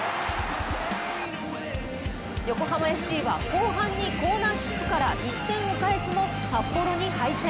横浜ＦＣは後半にコーナーキックから１点を返すも、札幌に敗戦。